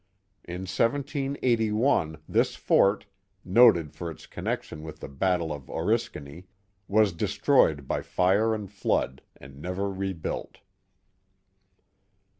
In 1781 this fort, noted for its connection with the battle of Oriskany, was destroyed by fire and flood, and never rebuilt.